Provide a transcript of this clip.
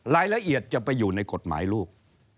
รายละเอียดจะไปอยู่ในกฎหมายลูก